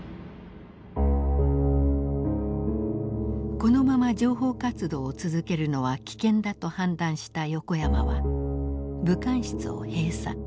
このまま情報活動を続けるのは危険だと判断した横山は武官室を閉鎖。